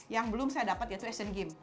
yang belum saya dapat yaitu asian games